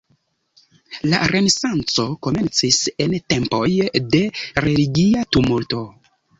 La Renesanco komencis en tempoj de religia tumulto.